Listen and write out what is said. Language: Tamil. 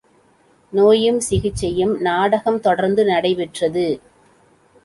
நோயும் சிகிச்சையும் நாடகம் தொடர்ந்து நடைபெற்றது.